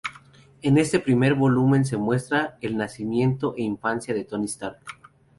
En este primer volumen se muestra el nacimiento e infancia de Tony Stark.